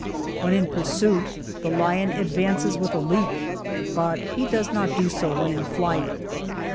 When in pursuit, the Kon advances with a leap, but he does not do so when in flight.